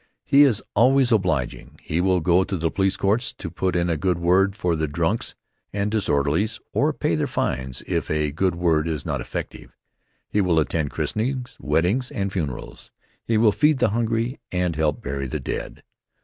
He is always obliging. He will go to the police courts to put in a good word for the "drunks and disorderlies" or pay their fines, if a good word is not effective. He will attend christenings, weddings, and funerals. He will feed the hungry and help bury the dead.